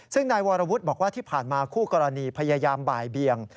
ซึ่งนายวรวุฒิบอกว่าที่ผ่านมาคู่กรณีพยายามบ่ายเบียง